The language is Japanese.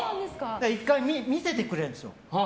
１回見せてくれるんですよ。